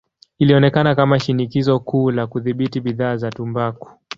Ilionekana kama shinikizo kuu la kudhibiti bidhaa za tumbaku.